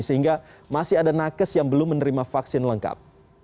sehingga masih ada nakes yang belum menerima vaksin lengkap